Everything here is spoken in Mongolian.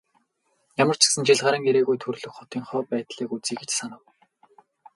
Ямар ч гэсэн жил гаран ирээгүй төрөлх хотынхоо байдлыг үзье гэж санав.